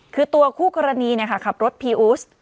คือตัวคู่กรณีเนี่ยค่ะขับรถพี่อุ๊ส